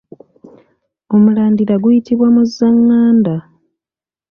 Omulandira guyitibwa muzzanganda.